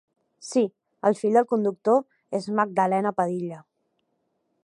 Sí, el fill del conductor és Magdalena Padilla.